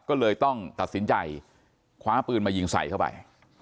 ก็เลยต้องตัดสินใจคว้าปืนมายิงใส่เข้าไป